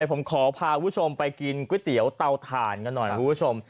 ผมขอพาผู้ชมไปกินกุยเตี๋ยวเตาทานกันหน่อยนะครับคุณผู้ชม